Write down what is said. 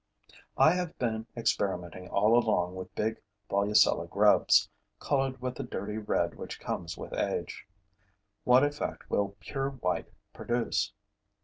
I have been experimenting all along with big Volucella grubs, colored with the dirty red which comes with age. What effect will pure white produce?